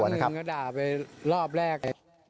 มีอีกครั้งหนึ่งก็ด่าไปรอบแรก